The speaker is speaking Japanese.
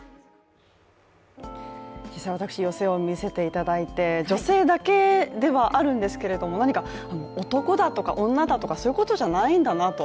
実際私、寄席を見せていただいて女性だけではあるんですけれども、何か、男だとか女だとかそういうことじゃないんだなと。